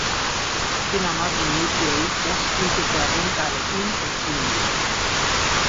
Azken hamar minutuei bost puntuko errentarekin ekin dio.